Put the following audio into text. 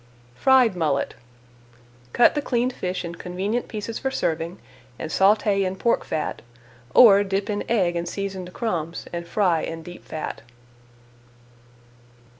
FRIED MULLET Cut the cleaned fish in convenient pieces for serving and sauté in pork fat, or dip in egg and seasoned crumbs and fry in deep fat.